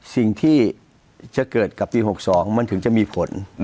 สิ่งที่จะเกิดกับปี๖๒มันถึงจะมีผล